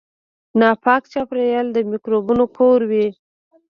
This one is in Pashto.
ناپاک چاپیریال د میکروبونو کور وي.